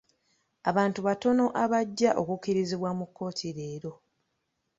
Abantu batono abajja okukkirizibwa mu kkooti leero.